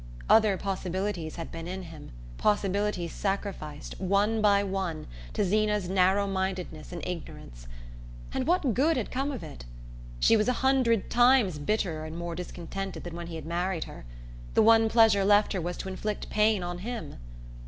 Other possibilities had been in him, possibilities sacrificed, one by one, to Zeena's narrow mindedness and ignorance. And what good had come of it? She was a hundred times bitterer and more discontented than when he had married her: the one pleasure left her was to inflict pain on him.